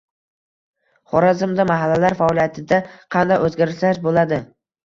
Xorazmda mahallalar faoliyatida qanday o‘zgarishlar bo‘ladi?